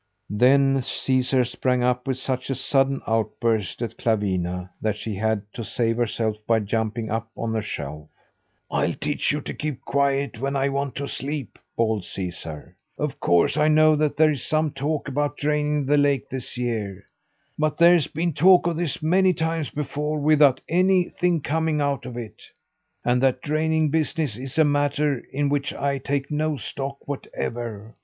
Then Caesar sprang up with such a sudden outburst at Clawina that she had to save herself by jumping up on a shelf. "I'll teach you to keep quiet when I want to sleep," bawled Caesar. "Of course I know that there is some talk about draining the lake this year. But there's been talk of this many times before without anything coming of it. And that draining business is a matter in which I take no stock whatever.